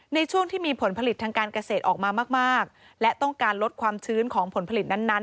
ในช่วงที่มีผลผลิตทางการเกษตรออกมามากมากและต้องการลดความชื้นของผลผลิตนั้น